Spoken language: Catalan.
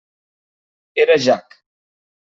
Era Jack.